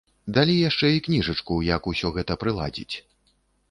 Далі яшчэ і кніжачку, як усё гэта прыладзіць.